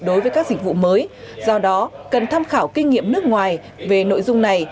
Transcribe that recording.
đối với các dịch vụ mới do đó cần tham khảo kinh nghiệm nước ngoài về nội dung này